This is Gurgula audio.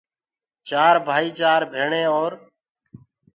چار ڀائيٚ، چآر ڀيڻي اور